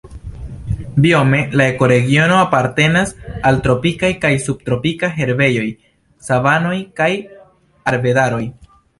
Biome la ekoregiono apartenas al tropikaj kaj subtropikaj herbejoj, savanoj kaj arbedaroj.